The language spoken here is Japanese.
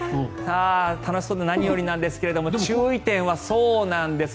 楽しそうで何よりなんですが注意点は、そうなんです